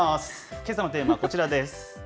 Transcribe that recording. けさのテーマはこちらです。